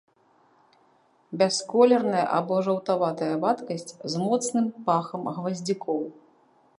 Бясколерная або жаўтаватая вадкасць з моцным пахам гваздзікоў.